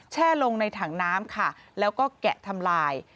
ลงในถังน้ำค่ะแล้วก็แกะทำลาย